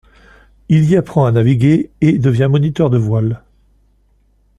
Il y apprend à naviguer et devient moniteur de voile.